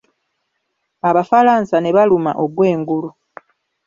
Abafalansa ne baluma ogw'engulu.